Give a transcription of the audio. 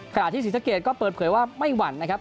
ขณะที่ศรีสะเกดก็เปิดเผยว่าไม่หวั่นนะครับ